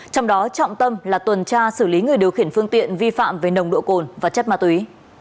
trong đó trọng tâm là tuần tra xử lý người điều khiển phương tiện vi phạm về nồng độ cồn và chất ma túy